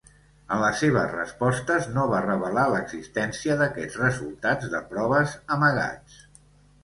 En les seves respostes no va revelar l'existència d'aquests resultats de proves amagats.